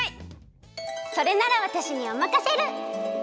それならわたしにおまかシェル！